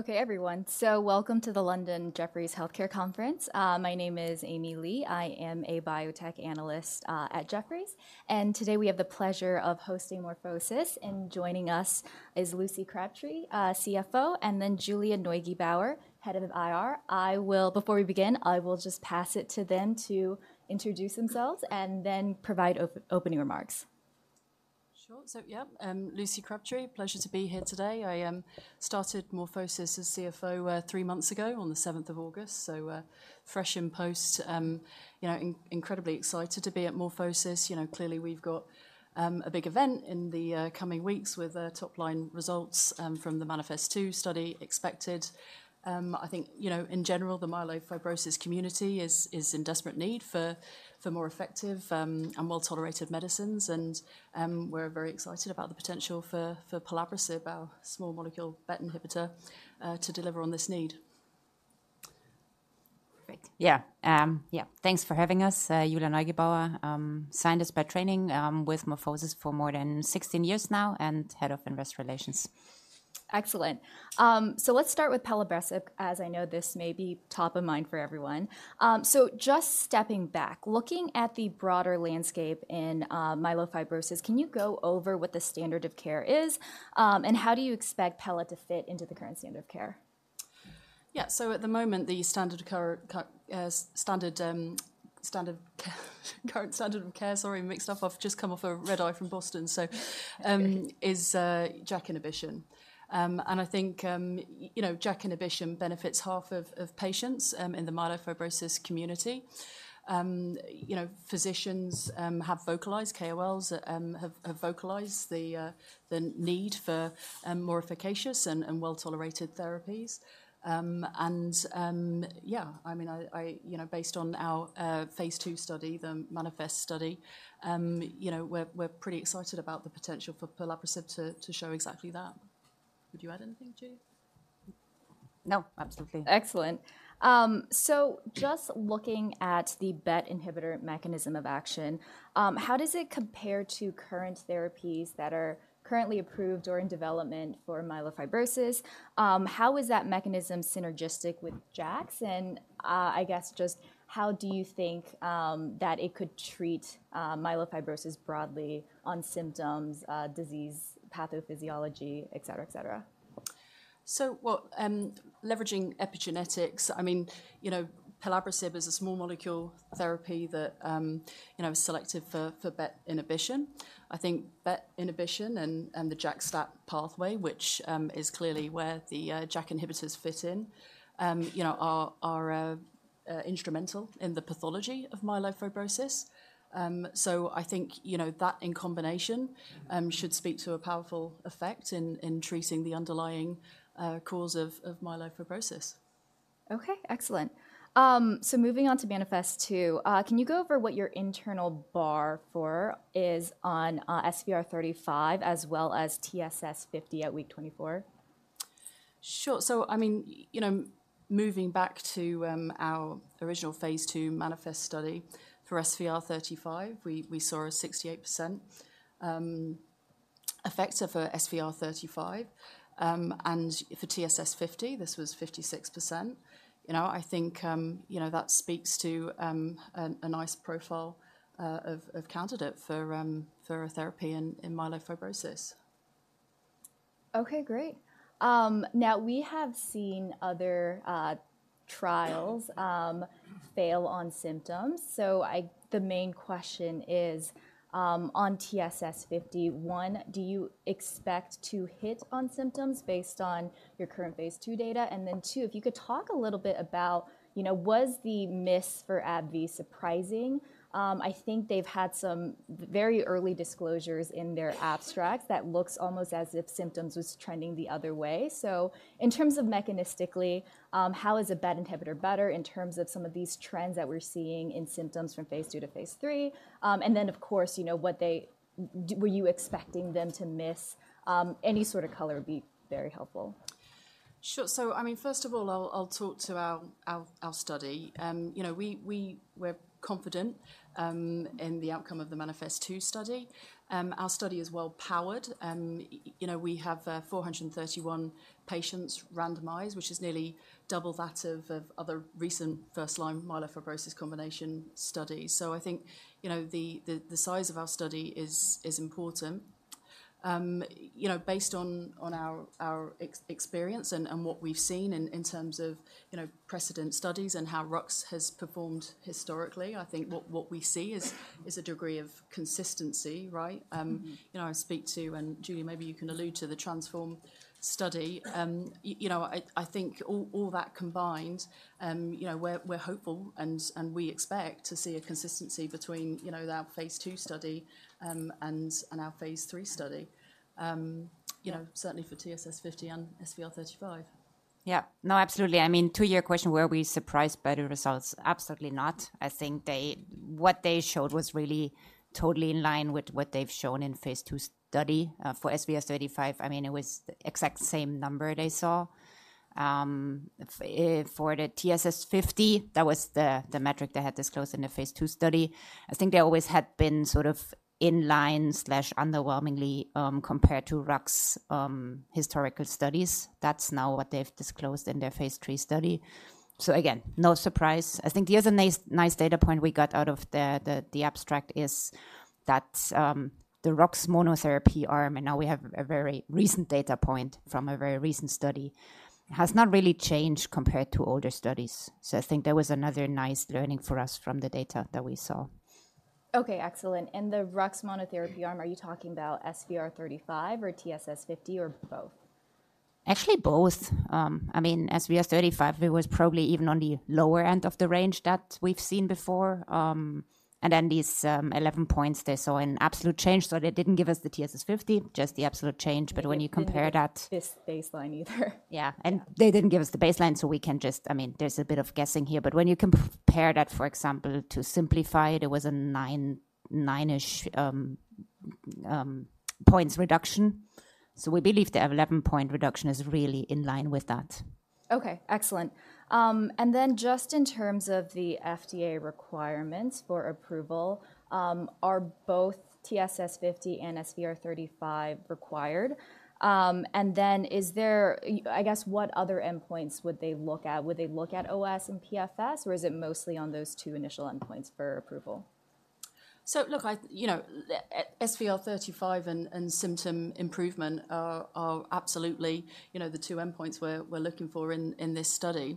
Okay, everyone, so welcome to the London Jefferies Healthcare Conference. My name is Amy Li. I am a biotech analyst at Jefferies, and today we have the pleasure of hosting MorphoSys. Joining us is Lucy Crabtree, CFO, and then Julia Neugebauer, Head of IR. I will before we begin, I will just pass it to them to introduce themselves, and then provide opening remarks. Sure. So, yeah, Lucy Crabtree, pleasure to be here today. I started MorphoSys as CFO three months ago on the August 7th, so fresh in post. You know, incredibly excited to be at MorphoSys. You know, clearly, we've got a big event in the coming weeks with the top-line results from the MANIFEST-2 study expected. I think, you know, in general, the myelofibrosis community is in desperate need for more effective and well-tolerated medicines, and we're very excited about the potential for Pelabresib, our small molecule BET inhibitor, to deliver on this need. Great. Yeah. Yeah, thanks for having us. Julia Neugebauer, scientist by training. With MorphoSys for more than 16 years now, and Head of Investor Relations. Excellent. So let's start with Pelabresib, as I know this may be top of mind for everyone. So just stepping back, looking at the broader landscape in Myelofibrosis, can you go over what the standard of care is? And how do you expect Pela to fit into the current standard of care? Yeah. So at the moment, the current standard of care, sorry, mixed up. I've just come off a red-eye from Boston, so is JAK inhibition. You know, JAK inhibition benefits half of patients in the Myelofibrosis community. You know, physicians have vocalized, KOLs have vocalized the need for more efficacious and well-tolerated therapies. Yeah, I mean, you know, based on our phase II study, the MANIFEST study, you know, we're pretty excited about the potential for Pelabresib to show exactly that. Would you add anything, Julia? No, absolutely. Excellent. So just looking at the BET inhibitor mechanism of action, how does it compare to current therapies that are currently approved or in development for Myelofibrosis? How is that mechanism synergistic with JAKs, and, I guess just how do you think that it could treat Myelofibrosis broadly on symptoms, disease, pathophysiology, et cetera, et cetera? So, well, leveraging epigenetics, I mean, you know, Pelabresib is a small molecule therapy that, you know, is selective for, for BET inhibition. I think BET inhibition and, and the JAK-STAT pathway, which, is clearly where the, JAK inhibitors fit in, you know, are, instrumental in the pathology of Myelofibrosis. So I think, you know, that in combination, should speak to a powerful effect in, in treating the underlying, cause of, of Myelofibrosis. Okay, excellent. So moving on to MANIFEST-2, can you go over what your internal bar for is on, SVR35 as well as TSS50 at week 24? Sure. So, I mean, you know, moving back to our original phase II MANIFEST study, for SVR35, we, we saw a 68% effect for SVR35, and for TSS50, this was 56%. You know, I think, you know, that speaks to a nice profile of candidate for a therapy in Myelofibrosis. Okay, great. Now we have seen other trials fail on symptoms, so the main question is on TSS50, one, do you expect to hit on symptoms based on your current phase II data? And then, two, if you could talk a little bit about, you know, was the miss for AbbVie surprising? I think they've had some very early disclosures in their abstract that looks almost as if symptoms was trending the other way. So in terms of mechanistically, how is a BET inhibitor better in terms of some of these trends that we're seeing in symptoms from phase II to phase III? And then, of course, you know, what they did. Were you expecting them to miss, any sort of color would be very helpful. Sure. So, I mean, first of all, I'll talk to our study. You know, we're confident in the outcome of the MANIFEST-2 study. Our study is well-powered, you know, we have 431 patients randomized, which is nearly double that of other recent first-line Myelofibrosis combination studies. So I think, you know, the size of our study is important. You know, based on our experience and what we've seen in terms of precedent studies and how RUX has performed historically, I think what we see is a degree of consistency, right? Mm-hmm. You know, I speak to, and Julia, maybe you can allude to the TRANSFORM study. You know, I think all that combined, you know, we're hopeful, and we expect to see a consistency between, you know, our phase II study and our phase III study. You know, certainly for TSS50 and SVR35.... Yeah. No, absolutely. I mean, to your question, were we surprised by the results? Absolutely not. I think they—what they showed was really totally in line with what they've shown in phase II study for SVR35. I mean, it was the exact same number they saw. For the TSS50, that was the metric they had disclosed in the phase II study. I think they always had been sort of in line/underwhelmingly compared to RUX historical studies. That's now what they've disclosed in their phase III study. So again, no surprise. I think the other nice data point we got out of the abstract is that the RUX monotherapy arm, and now we have a very recent data point from a very recent study, has not really changed compared to older studies. I think that was another nice learning for us from the data that we saw. Okay, excellent. In the RUX monotherapy arm, are you talking about SVR35 or TSS50, or both? Actually, both. I mean, SVR35, it was probably even on the lower end of the range that we've seen before. And then these 11 points, they saw an absolute change, so they didn't give us the TSS50, just the absolute change. But when you compare that- They didn't give us this baseline either. Yeah. Yeah. They didn't give us the baseline, so we can just... I mean, there's a bit of guessing here, but when you compare that, for example, to simplify it, it was a nine, 9-ish points reduction. So we believe the 11-point reduction is really in line with that. Okay, excellent. And then just in terms of the FDA requirements for approval, are both TSS50 and SVR35 required? And then, I guess, what other endpoints would they look at? Would they look at OS and PFS, or is it mostly on those two initial endpoints for approval? So look, you know, SVR35 and symptom improvement are absolutely, you know, the two endpoints we're looking for in this study.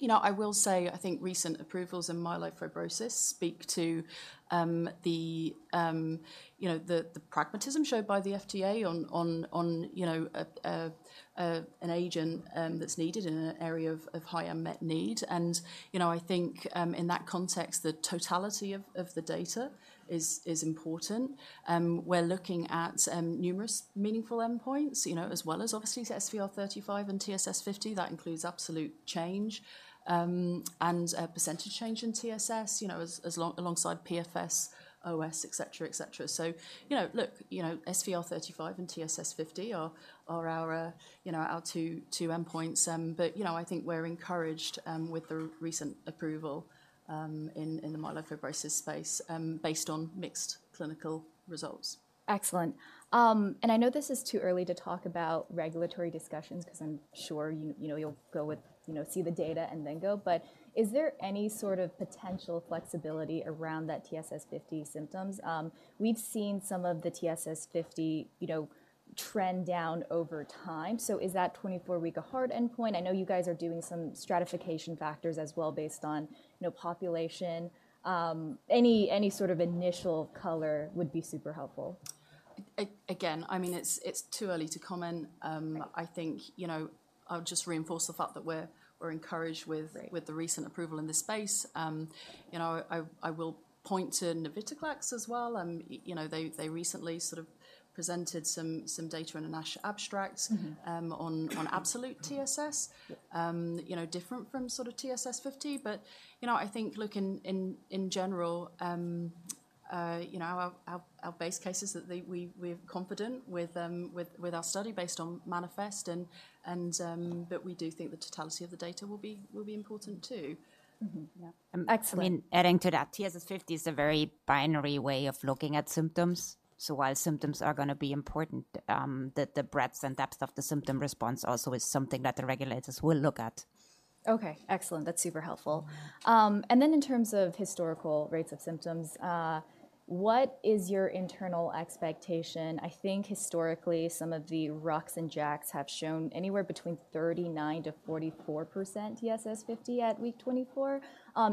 You know, I will say, I think recent approvals in Myelofibrosis speak to the pragmatism showed by the FDA on an agent that's needed in an area of high unmet need. And, you know, I think in that context, the totality of the data is important. We're looking at numerous meaningful endpoints, you know, as well as obviously SVR35 and TSS50. That includes absolute change and a percentage change in TSS, you know, alongside PFS, OS, et cetera. So, you know, look, you know, SVR35 and TSS50 are our, you know, our two endpoints. But, you know, I think we're encouraged with the recent approval in the Myelofibrosis space based on mixed clinical results. Excellent. And I know this is too early to talk about regulatory discussions, 'cause I'm sure you, you know, you'll go with, you know, see the data and then go, but is there any sort of potential flexibility around that TSS50 symptoms? We've seen some of the TSS50, you know, trend down over time. So is that 24-week a hard endpoint? I know you guys are doing some stratification factors as well, based on, you know, population. Any sort of initial color would be super helpful. Again, I mean, it's too early to comment. Right. I think, you know, I would just reinforce the fact that we're encouraged with- Right... with the recent approval in this space. You know, I will point to navitoclax as well. You know, they recently sort of presented some data in an ASH abstract- Mm-hmm... on absolute TSS. Yep. You know, different from sort of TSS50. But, you know, I think looking in general, you know, our base case is that we're confident with our study based on MANIFEST and. But we do think the totality of the data will be important, too. Mm-hmm. Yeah. Excellent. I mean, adding to that, TSS50 is a very binary way of looking at symptoms. So while symptoms are gonna be important, the breadth and depth of the symptom response also is something that the regulators will look at. Okay, excellent. That's super helpful. And then in terms of historical rates of symptoms, what is your internal expectation? I think historically, some of the RUX and JAKs have shown anywhere between 39%-44% TSS50 at week 24.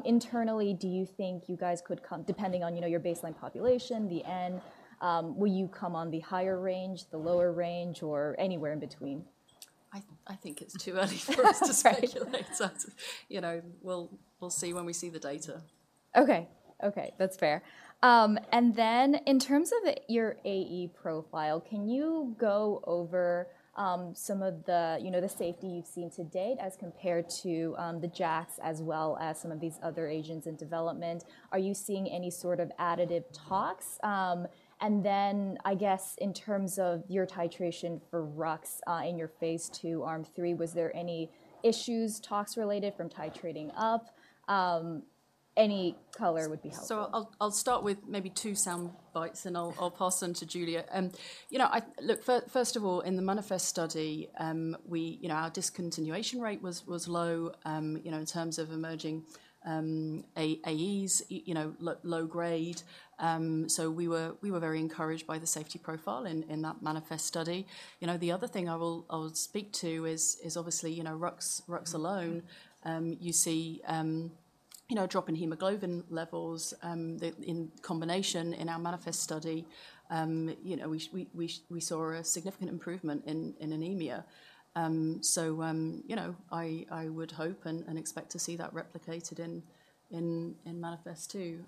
Internally, do you think you guys could come depending on, you know, your baseline population, the N, will you come on the higher range, the lower range, or anywhere in between? I think it's too early for us to speculate. Right. You know, we'll, we'll see when we see the data. Okay. Okay, that's fair. And then in terms of your AE profile, can you go over, some of the, you know, the safety you've seen to date as compared to, the JAKs, as well as some of these other agents in development? Are you seeing any sort of additive tox? And then, I guess, in terms of your titration for RUX, in your phase II, Arm three, was there any issues, tox-related, from titrating up? Any color would be helpful. So I'll start with maybe two sound bites, and I'll pass them to Julia. You know, I look, first of all, in the MANIFEST study, you know, our discontinuation rate was low, you know, in terms of emerging AEs, you know, low grade. So we were very encouraged by the safety profile in that MANIFEST study. You know, the other thing I will speak to is obviously, you know, RUX, RUX alone, you see, you know, a drop in hemoglobin levels, in combination in our MANIFEST study, you know, we saw a significant improvement in anemia. So, you know, I would hope and expect to see that replicated in MANIFEST-2. Do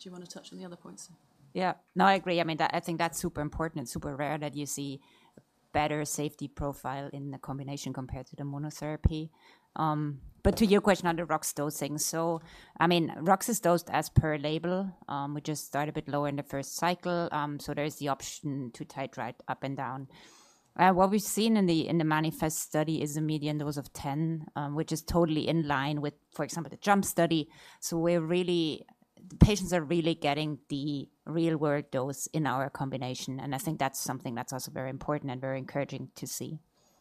you wanna touch on the other points? Yeah. No, I agree. I mean, that—I think that's super important and super rare that you see better safety profile in the combination compared to the monotherapy. But to your question on the RUX dosing, so I mean, RUX is dosed as per label, we just start a bit lower in the first cycle, so there is the option to titrate up and down. What we've seen in the, in the MANIFEST study is a median dose of 10, which is totally in line with, for example, the JUMP study. So we're really—the patients are really getting the real-world dose in our combination, and I think that's something that's also very important and very encouraging to see.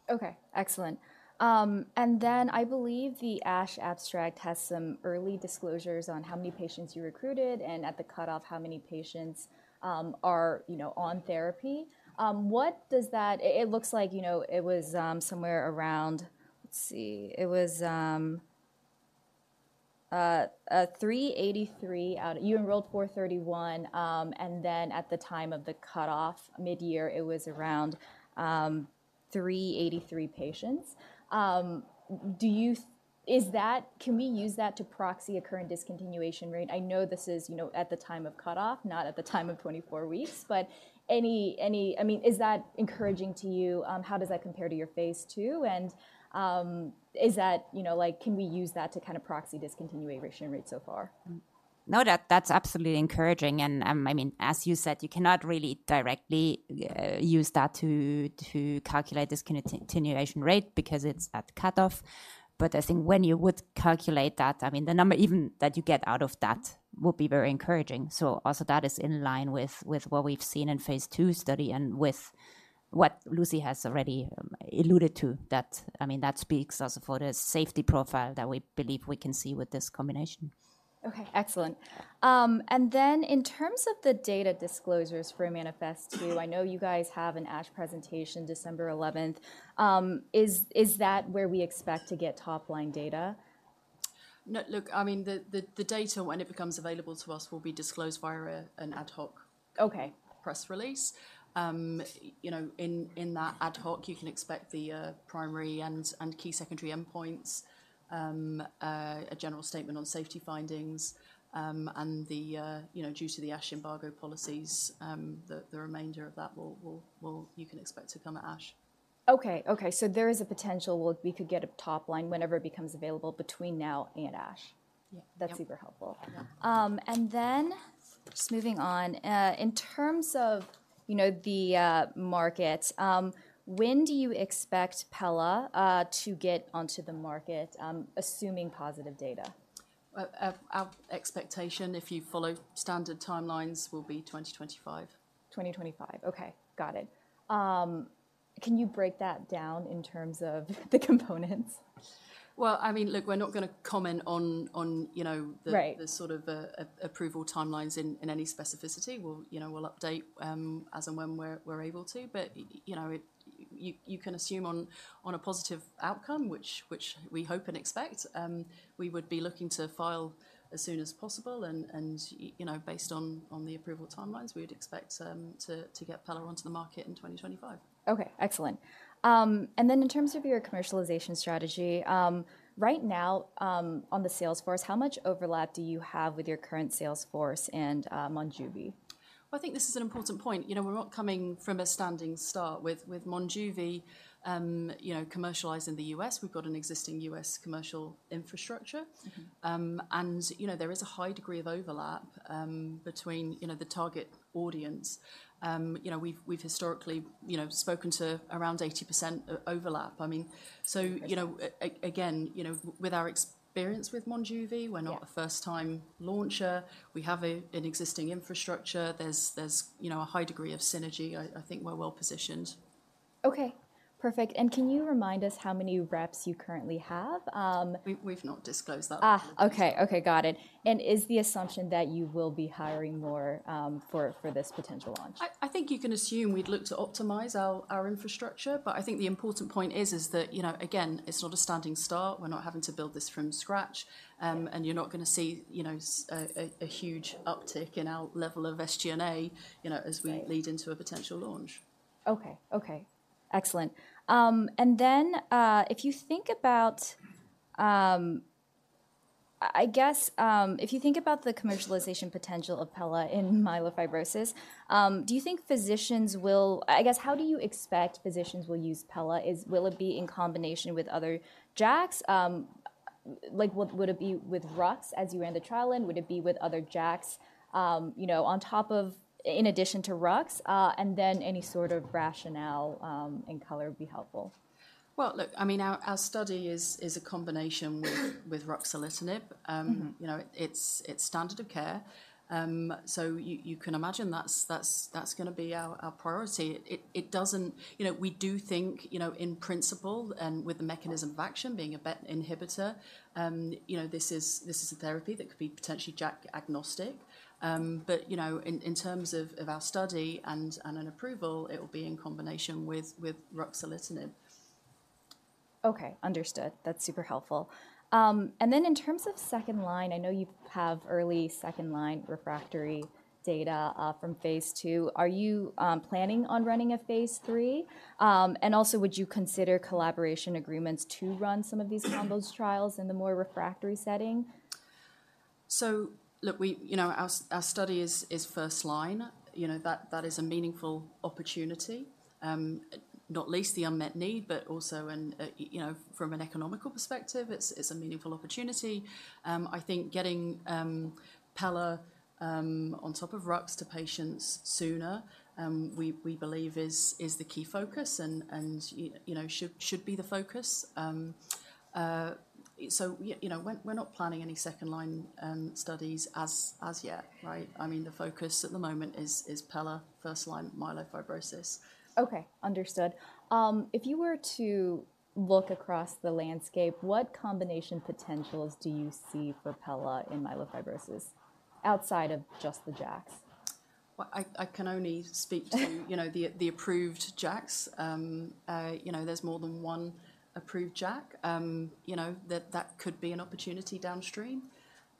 Okay, excellent. And then I believe the ASH abstract has some early disclosures on how many patients you recruited, and at the cutoff, how many patients, you know, are on therapy. What does that—it looks like, you know, it was somewhere around... Let's see. It was 383 out—you enrolled 431, and then at the time of the cutoff, mid-year, it was around 383 patients. Do you—is that—can we use that to proxy a current discontinuation rate? I know this is, you know, at the time of cutoff, not at the time of 24 weeks, but any—I mean, is that encouraging to you? How does that compare to your phase II, and is that, you know, like, can we use that to kind of proxy discontinuation rate so far? No, that's absolutely encouraging, and, I mean, as you said, you cannot really directly use that to calculate discontinuation rate because it's at cutoff. But I think when you would calculate that, I mean, the number even that you get out of that will be very encouraging. So also that is in line with what we've seen in phase II study and with what Lucy has already alluded to, that, I mean, that speaks also for the safety profile that we believe we can see with this combination. Okay, excellent. And then in terms of the data disclosures for MANIFEST-2, I know you guys have an ASH presentation, December 11th. Is that where we expect to get top-line data? No, look, I mean, the data, when it becomes available to us, will be disclosed via an ad hoc- Okay. -press release. You know, in that ad hoc, you can expect the primary and key secondary endpoints, a general statement on safety findings, and, you know, due to the ASH embargo policies, the remainder of that will. You can expect to come at ASH. Okay, okay. So there is a potential we could get a top line whenever it becomes available between now and ASH? Yeah. That's super helpful. Yeah. And then just moving on, in terms of, you know, the market, when do you expect Pelabresib to get onto the market, assuming positive data? Our expectation, if you follow standard timelines, will be 2025. 2025. Okay, got it. Can you break that down in terms of the components? Well, I mean, look, we're not going to comment on, you know- Right... approval timelines in any specificity. We'll, you know, we'll update as and when we're able to, but you know, you can assume on a positive outcome, which we hope and expect, we would be looking to file as soon as possible, and you know, based on the approval timelines, we'd expect to get Pelabresib onto the market in 2025. Okay, excellent. And then in terms of your commercialization strategy, right now, on the sales force, how much overlap do you have with your current sales force and Monjuvi? Well, I think this is an important point. You know, we're not coming from a standing start with Monjuvi, you know, commercialized in the US. We've got an existing US commercial infrastructure. Mm-hmm. And you know, there is a high degree of overlap between you know, the target audience. You know, we've historically you know, spoken to around 80% overlap. I mean- Okay. So, you know, again, you know, with our experience with Monjuvi- Yeah... we're not a first-time launcher. We have an existing infrastructure. There's, you know, a high degree of synergy. I think we're well positioned. Okay, perfect. Can you remind us how many reps you currently have? We've not disclosed that publicly. Ah! Okay, okay, got it. Is the assumption that you will be hiring more for this potential launch? I think you can assume we'd look to optimize our infrastructure, but I think the important point is that, you know, again, it's not a standing start. We're not having to build this from scratch, and you're not gonna see, you know, a huge uptick in our level of SG&A, you know, as we- Right... lead into a potential launch. Okay, okay. Excellent. And then, if you think about, I guess, if you think about the commercialization potential of Pela in Myelofibrosis, do you think physicians will-- I guess, how do you expect physicians will use Pela? Is-- will it be in combination with other JAKs? Like, would, would it be with RUX, as you ran the trial in? Would it be with other JAKs, you know, on top of-- in addition to RUX? And then any sort of rationale, and color would be helpful. Well, look, I mean, our study is a combination with Ruxolitinib. Mm-hmm. You know, it's standard of care. So you can imagine that's gonna be our priority. It doesn't... You know, we do think, you know, in principle, and with the mechanism of action being a BET inhibitor, you know, this is a therapy that could be potentially JAK agnostic. But, you know, in terms of our study and an approval, it will be in combination with Ruxolitinib. Okay, understood. That's super helpful. And then in terms of second-line, I know you have early second-line refractory data from phase II. Are you planning on running a phase III? And also, would you consider collaboration agreements to run some of these combo trials in the more refractory setting?... So look, you know, our study is first-line. You know, that is a meaningful opportunity, not least the unmet need, but also in, you know, from an economical perspective, it's a meaningful opportunity. I think getting Pela on top of RUX to patients sooner, we believe is the key focus and, you know, should be the focus. So you know, we're not planning any second-line studies as yet, right? I mean, the focus at the moment is pela first-line Myelofibrosis. Okay, understood. If you were to look across the landscape, what combination potentials do you see for Pela in Myelofibrosis, outside of just the JAKs? Well, I can only speak to—you know, the approved JAKs. You know, there's more than one approved JAK. You know, that could be an opportunity downstream.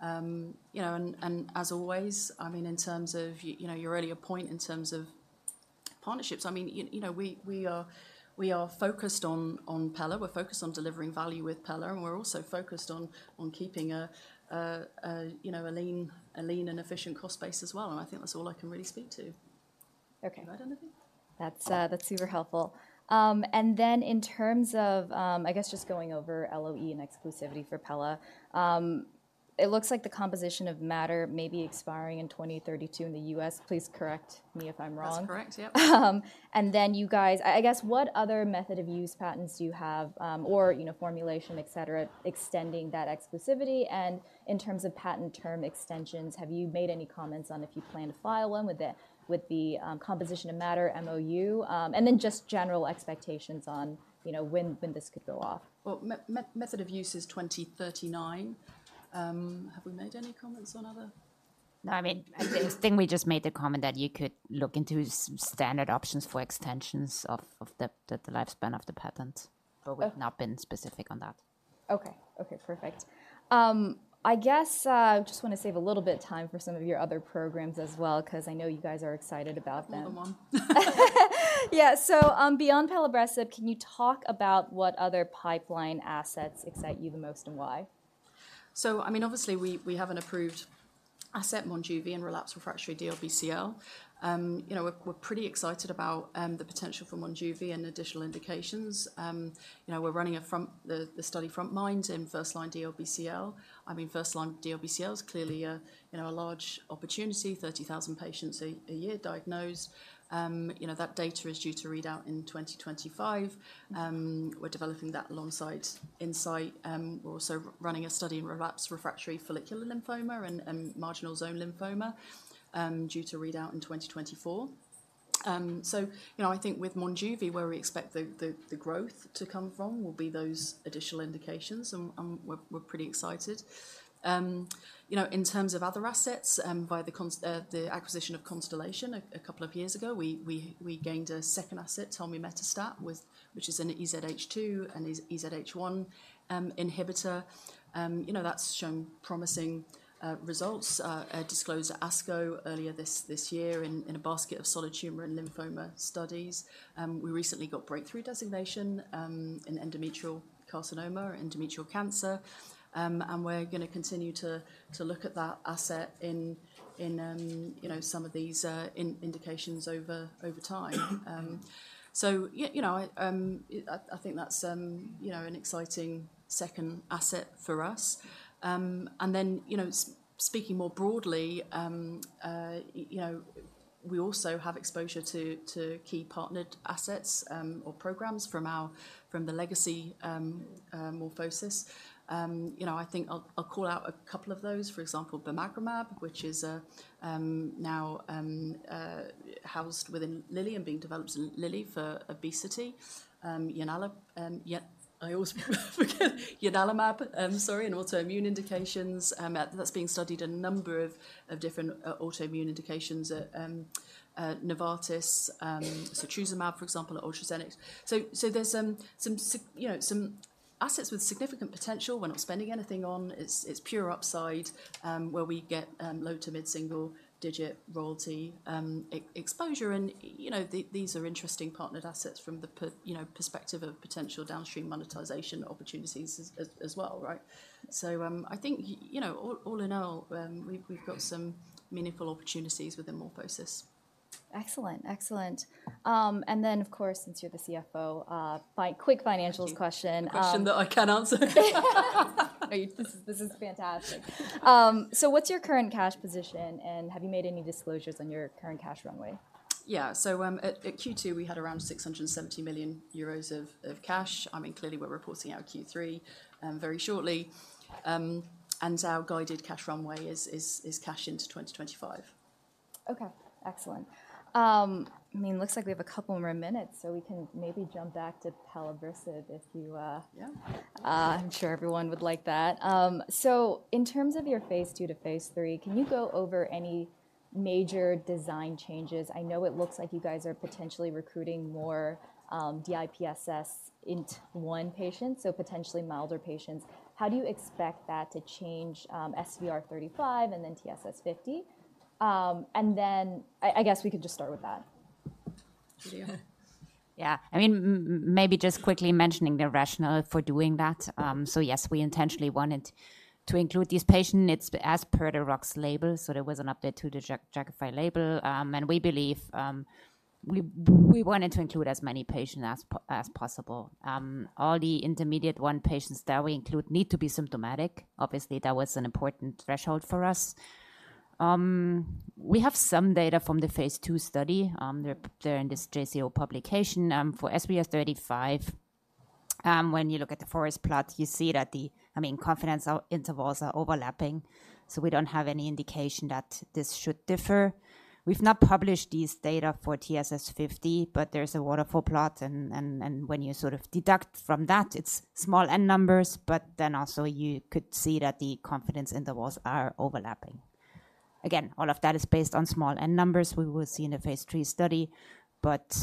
You know, and as always, I mean, in terms of—you know, your earlier point in terms of partnerships, I mean, you know, we are focused on pela. We're focused on delivering value with pela, and we're also focused on keeping a lean and efficient cost base as well, and I think that's all I can really speak to. Okay. Am I done, I think? That's, that's super helpful. In terms of, I guess, just going over LOE and exclusivity for Pelabresib, it looks like the composition of matter may be expiring in 2032 in the U.S. Please correct me if I'm wrong. That's correct, yep. And then you guys, I guess, what other method-of-use patents do you have, or, you know, formulation, et cetera, extending that exclusivity? And in terms of patent term extensions, have you made any comments on if you plan to file one with the composition of matter MOU? And then just general expectations on, you know, when this could go off. Well, method of use is 2039. Have we made any comments on other- No, I mean, I think we just made the comment that you could look into some standard options for extensions of the lifespan of the patent- Okay. But we've not been specific on that. Okay. Okay, perfect. I guess, I just want to save a little bit of time for some of your other programs as well, 'cause I know you guys are excited about them. Come on. Yeah. So, beyond Pelabresib, can you talk about what other pipeline assets excite you the most, and why? So, I mean, obviously, we have an approved asset, Monjuvi, in relapsed refractory DLBCL. You know, we're pretty excited about the potential for Monjuvi and additional indications. You know, we're running it from the frontMIND study in first-line DLBCL. I mean, first-line DLBCL is clearly a you know, a large opportunity, 30,000 patients a year diagnosed. You know, that data is due to read out in 2025. We're developing that alongside Incyte. We're also running a study in relapse refractory follicular lymphoma and marginal zone lymphoma due to read out in 2024. So, you know, I think with Monjuvi, where we expect the growth to come from will be those additional indications, and we're pretty excited. You know, in terms of other assets, by the acquisition of Constellation a couple of years ago, we gained a second asset, Tulmimetostat, which is an EZH2 and EZH1 inhibitor. You know, that's shown promising results disclosed at ASCO earlier this year in a basket of solid tumor and lymphoma studies. We recently got breakthrough designation in endometrial carcinoma or endometrial cancer. And we're going to continue to look at that asset in, you know, some of these indications over time. So you know, I think that's, you know, an exciting second asset for us. And then, you know, speaking more broadly, you know, we also have exposure to key partnered assets or programs from the legacy MorphoSys. You know, I think I'll call out a couple of those. For example, Bimagrumab, which is now housed within Lilly and being developed in Lilly for obesity. Ianalumab, sorry, in autoimmune indications. That's being studied in a number of different autoimmune indications at Novartis. Setrusumab, for example, at AstraZeneca. So there's you know, some assets with significant potential we're not spending anything on. It's pure upside where we get low to mid-single-digit royalty exposure. And, you know, these are interesting partnered assets from the perspective of potential downstream monetization opportunities as well, right? So, I think, you know, all in all, we've got some meaningful opportunities within MorphoSys. Excellent, excellent. And then, of course, since you're the CFO, quick financials question. A question that I can answer. This is, this is fantastic. So what's your current cash position, and have you made any disclosures on your current cash runway? Yeah. So, at Q2, we had around 670 million euros of cash. I mean, clearly, we're reporting our Q3 very shortly. And our guided cash runway is cash into 2025. Okay, excellent. I mean, looks like we have a couple more minutes, so we can maybe jump back to Pelabresib if you, Yeah. I'm sure everyone would like that. So in terms of your phase II to phase III, can you go over any major design changes? I know it looks like you guys are potentially recruiting more, DIPSS Int-1 patients, so potentially milder patients. How do you expect that to change, SVR35 and then TSS50? And then... I guess we could just start with that.... Yeah. I mean, maybe just quickly mentioning the rationale for doing that. So yes, we intentionally wanted to include these patients. It's as per the RUX label, so there was an update to the Jakafi label. And we believe, we wanted to include as many patients as possible. All the intermediate-1 patients that we include need to be symptomatic. Obviously, that was an important threshold for us. We have some data from the phase II study, they're in this JCO publication, for SVR35. When you look at the forest plot, you see that the, I mean, confidence intervals are overlapping, so we don't have any indication that this should differ. We've not published these data for TSS50, but there's a waterfall plot and when you sort of deduct from that, it's small N numbers, but then also you could see that the confidence intervals are overlapping. Again, all of that is based on small N numbers we will see in the phase III study. But,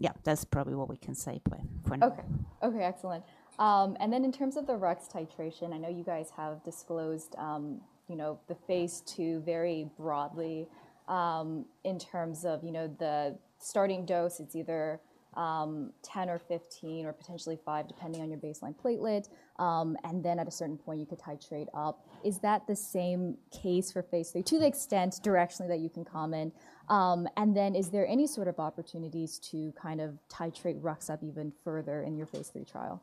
yeah, that's probably what we can say for now. Okay. Okay, excellent. And then in terms of the RUX titration, I know you guys have disclosed, you know, the phase II very broadly, in terms of, you know, the starting dose, it's either, 10 or 15 or potentially five, depending on your baseline platelet. And then at a certain point, you could titrate up. Is that the same case for phase III, to the extent directionally that you can comment? And then is there any sort of opportunities to kind of titrate RUX up even further in your phase III trial?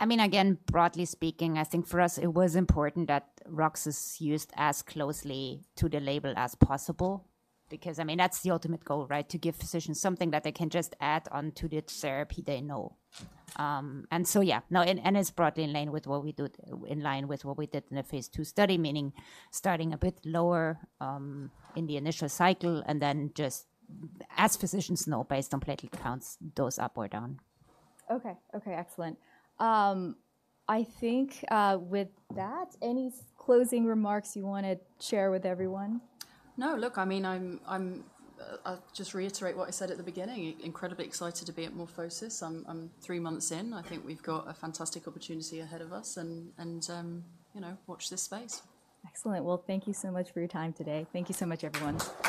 I mean, again, broadly speaking, I think for us, it was important that RUX is used as closely to the label as possible because, I mean, that's the ultimate goal, right? To give physicians something that they can just add on to the therapy they know. And so, yeah. No, and it's broadly in line with what we did in the phase II study, meaning starting a bit lower, in the initial cycle, and then just as physicians know, based on platelet counts, dose up or down. Okay. Okay, excellent. I think, with that, any closing remarks you want to share with everyone? No, look, I mean, I'm. I'll just reiterate what I said at the beginning, incredibly excited to be at MorphoSys. I'm three months in. I think we've got a fantastic opportunity ahead of us, and, you know, watch this space. Excellent. Well, thank you so much for your time today. Thank you so much, everyone.